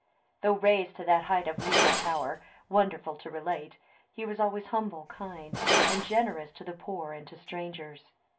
(313) Though raised to that height of regal power, wonderful to relate, he was always humble, kind, and generous to the poor and to strangers.